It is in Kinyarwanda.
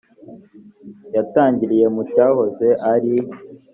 yatangiriye mu cyahoze ari